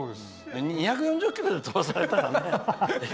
２４０キロとか出されたらね。